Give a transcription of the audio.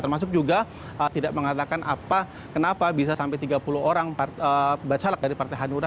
termasuk juga tidak mengatakan apa kenapa bisa sampai tiga puluh orang bacalak dari partai hanura